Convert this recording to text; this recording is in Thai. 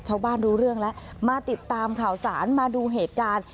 รู้เรื่องแล้วมาติดตามข่าวสารมาดูเหตุการณ์